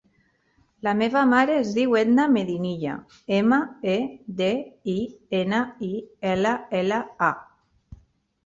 La meva mare es diu Edna Medinilla: ema, e, de, i, ena, i, ela, ela, a.